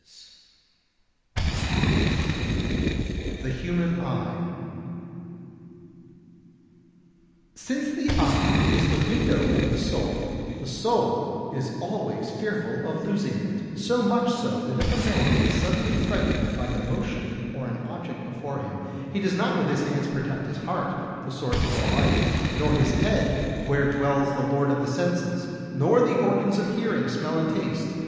[Sidenote: The Human Eye] 54. Since the eye is the window of the soul, the soul is always fearful of losing it, so much so that if a man is suddenly frightened by the motion or an object before him, he does not with his hands protect his heart, the source of all life; nor his head, where dwells the lord of the senses; nor the organs of hearing, smell and taste.